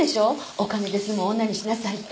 お金で済む女にしなさいって。